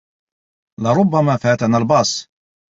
لربما فاتنا الباص.